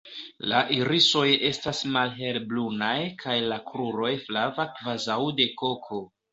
La irisoj estas malhelbrunaj kaj la kruroj flava kvazaŭ de koko.